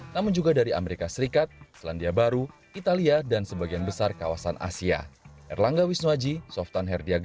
namun juga dari amerika serikat selandia baru italia dan sebagian besar kawasan asia